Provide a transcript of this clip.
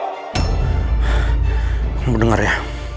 kamu dengar ya